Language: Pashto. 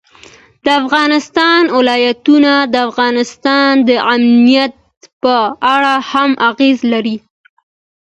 د افغانستان ولايتونه د افغانستان د امنیت په اړه هم اغېز لري.